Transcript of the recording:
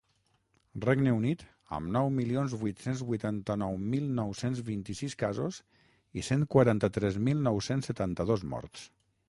Regne Unit, amb nou milions vuit-cents vuitanta-nou mil nou-cents vint-i-sis casos i cent quaranta-tres mil nou-cents setanta-dos morts.